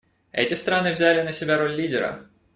Эти страны взяли на себя роль лидера.